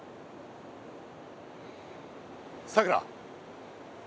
さくら。